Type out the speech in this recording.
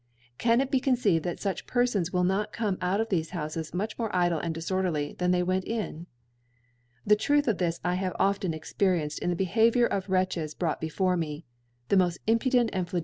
Can it be con ceived that (uch Ptrfons will not come cut of thefc Houfes much more idle and dis orderly than they went in ? The Truth cf this! have^ften experienced in the Beha viour of the Wretches brought before me^ the moll impudent and flag.